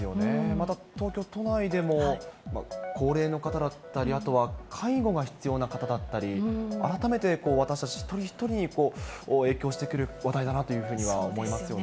また、東京都内でも、高齢の方だったり、あとは、介護が必要な方だったり、改めて私たち一人一人に影響してくる話題だなというふうには思いそうですよね。